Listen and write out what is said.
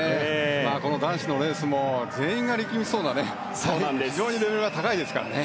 男子のレースも全員が力みそうなほど非常にレベルが高いですから。